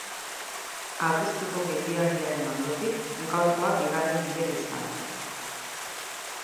Abuztuko geldialdiaren ondotik, gaurkoa bigarren bilera izan da.